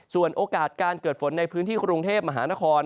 ส่วนโอกาสการเกิดฝนในพื้นที่กรุงเทพมหานคร